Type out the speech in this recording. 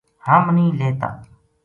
ہم نیہہ لہتا